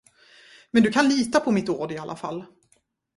Men du kan lita på mitt ord i alla fall.